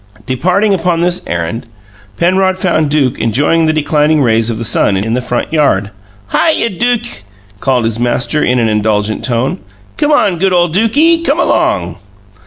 Departing upon this errand, Penrod found Duke enjoying the declining rays of the sun in the front yard. "Hyuh, Duke!" called his master, in an indulgent tone. "Come on, good ole Dukie! Come along!"